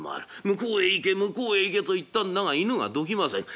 「向こうへ行け向こうへ行け」と言ったんだが犬がどきません。